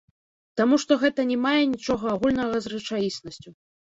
Таму што гэта не мае нічога агульнага з рэчаіснасцю.